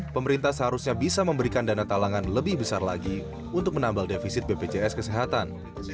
pemerintah seharusnya bisa memberikan dana talangan lebih besar lagi untuk menambal defisit bpjs kesehatan